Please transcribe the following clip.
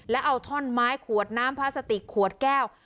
แล้วเอาท่อนไม้ขวดน้ำพลาสติกขวดแก้ว